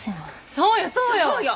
そうよそうよ！